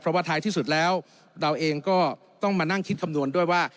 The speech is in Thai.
เพราะว่าท้ายที่สุดแล้วเราเองก็ต้องมานั่งคิดคำนวณด้วยว่า